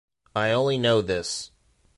I only know this.